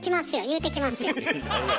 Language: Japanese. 言うてきますよ。